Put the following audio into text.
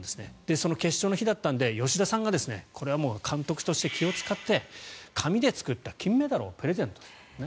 その決勝の日だったので吉田さんが監督として気を使って紙で作った金メダルをプレゼントしたと。